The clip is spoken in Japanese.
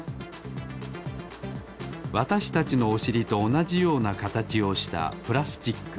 わたしたちのおしりとおなじようなかたちをしたプラスチック。